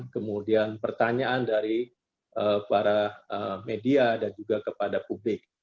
kemudian pertanyaan dari para media dan juga kepada publik